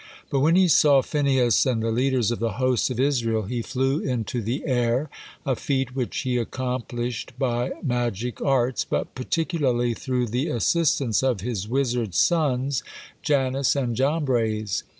For when he saw Phinehas and the leaders of the hosts of Israel, he flew into the air, a feat which he accomplished by magic arts, but particularly through the assistance of his wizard sons, Jannes and Jambres.